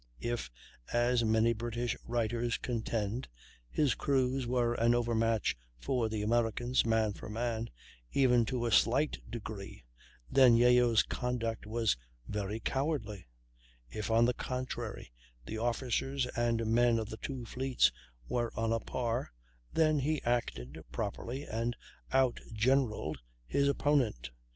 If, as many British writers contend, his crews were an overmatch for the Americans, man for man, even to a slight degree, then Yeo's conduct was very cowardly; if, on the contrary, the officers and men of the two fleets were on a par, then he acted properly and outgeneralled his opponent.